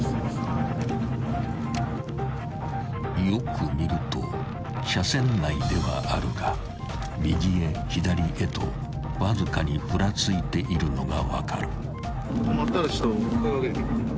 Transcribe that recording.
［よく見ると車線内ではあるが右へ左へとわずかにふらついているのが分かる］